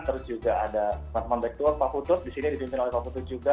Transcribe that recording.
terus juga ada teman teman back tour pak putut di sini dipimpin oleh pak putut juga